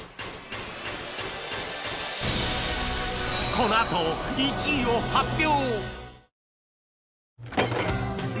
このあと１位を発表！